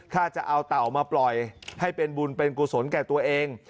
ถ้าจะเอาเต่ามาปล่อยให้เป็นบุญเป็นกุศลแก่ตัวเอง